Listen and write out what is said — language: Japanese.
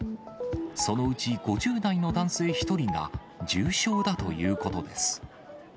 そのうち５０代の男性１人が、重症だということです。